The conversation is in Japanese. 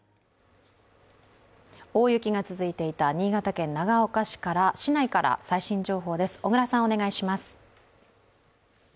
大雪が続いていた新潟県長岡市内から最新情報です。